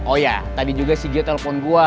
oh iya tadi juga si gio telepon gue